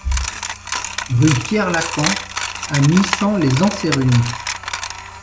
Rue Pierre Lacans à Nissan-lez-Enserune